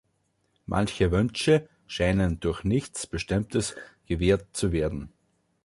Manche Wünsche scheinen durch nichts Bestimmtes gewährt zu werden.